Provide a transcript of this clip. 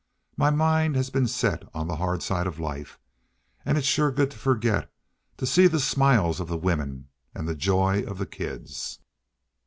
My mind has been set on the hard side of life. An' it's shore good to forget to see the smiles of the women an' the joy of the kids."